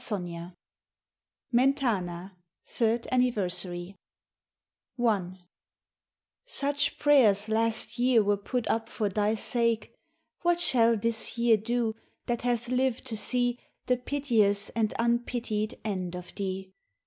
XV MENTANA: THIRD ANNIVERSARY 1 Such prayers last year were put up for thy sake; What shall this year do that hath lived to see The piteous and unpitied end of thee?